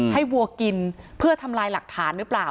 วัวกินเพื่อทำลายหลักฐานหรือเปล่า